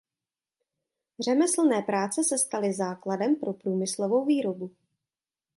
Řemeslné práce se staly základem pro průmyslovou výrobu.